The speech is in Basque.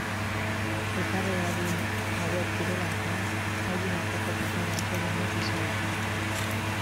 Elkarreragin hauek direla eta, haien arteko portaera ezberdinak isla ditzakete.